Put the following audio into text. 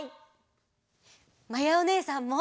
まやおねえさんも！